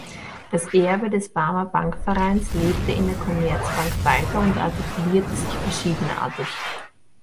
Das Erbe des Barmer Bankvereins lebte in der Commerzbank weiter und artikulierte sich verschiedenartig.